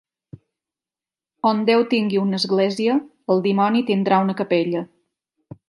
On Déu tingui una església, el dimoni tindrà una capella